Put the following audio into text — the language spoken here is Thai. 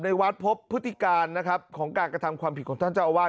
ในวัดพบพฤติการนะครับของการกระทำความผิดของท่านเจ้าอาวาส